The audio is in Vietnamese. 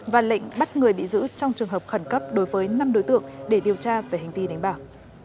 và lệnh bắt người bị giữ trong trường hợp khẩn cấp đối với năm đối tượng để điều tra về hành vi đánh bạc